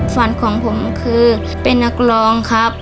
ฝันของผมคือเป็นนักร้องครับ